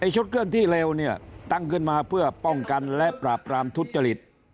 ชุดเคลื่อนที่เร็วเนี่ยตั้งขึ้นมาเพื่อป้องกันและปราบรามทุจริต